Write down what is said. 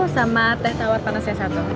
sama teh tawar panasnya satu